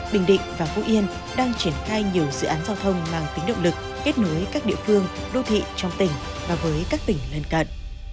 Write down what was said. bình định và vũ yên đang triển khai nhiều dự án giao thông mang tính động lực kết nối các địa phương đô thị trong tỉnh và với các tỉnh lân cận